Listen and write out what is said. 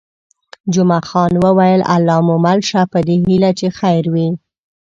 جمعه خان وویل: الله مو مل شه، په دې هیله چې خیر وي.